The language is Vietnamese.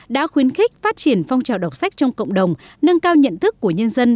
đã khuyến khích phát triển phong trào đọc sách trong cộng đồng nâng cao nhận thức của nhân dân